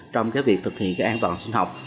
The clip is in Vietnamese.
trong cái việc thực hiện cái an toàn sinh học